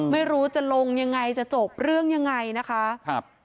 ไม่รู้จะลงยังไงจะจบเรื่องยังไงนะคะครับ